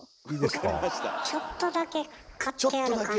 ちょっとだけ刈ってある感じ。